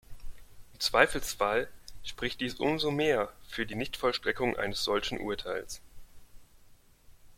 Im Zweifelsfall spricht dies umso mehr für die Nichtvollstreckung eines solchen Urteils.